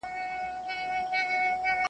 هغه وطن مي راته تنور دی .